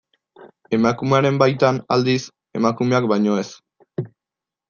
Emakumeren baitan, aldiz, emakumeak baino ez.